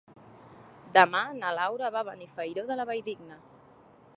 Demà na Laura va a Benifairó de la Valldigna.